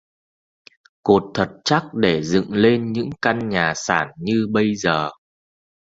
Cột thật chắc để dựng lên những căn nhà sản như bây giờ